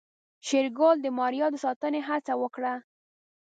شېرګل د ماريا د ساتنې هڅه وکړه.